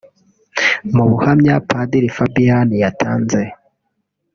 Mu buhamya Padiri Fabiyani yatanze